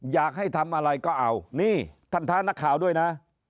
อยากให้ทำอะไรก็เอานี่ท่านท้านักข่าวด้วยนะ